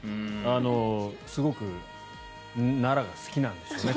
すごく奈良が好きなんでしょうね。